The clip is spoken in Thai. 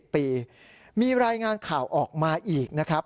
ปีมีรายงานข่าวออกมาอีกนะครับ